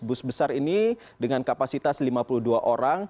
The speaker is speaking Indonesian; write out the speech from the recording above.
bus besar ini dengan kapasitas lima puluh dua orang